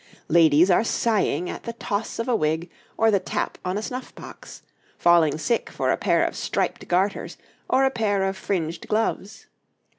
Ladies are sighing at the toss of a wig or the tap on a snuff box, falling sick for a pair of striped garters or a pair of fringed gloves.